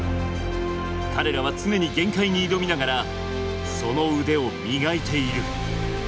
彼らは常に限界に挑みながら、その腕を磨いている。